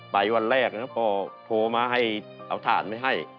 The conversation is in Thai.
ไปวันแรกพ่อโทรมาให้เอาฐานไม่ให้